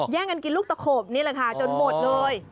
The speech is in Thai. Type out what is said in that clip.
แย่งกันกินลูกตะโขบนี่แหละค่ะจนหมดเลย